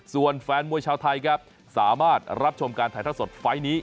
ส่วนแฟนมวยชาวไทยครับสามารถรับชมการถ่ายเท่าสดไฟล์นี้